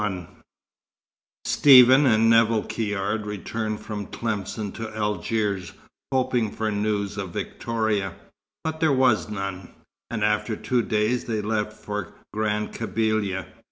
XXI Stephen and Nevill Caird returned from Tlemcen to Algiers, hoping for news of Victoria, but there was none; and after two days they left for Grand Kabylia.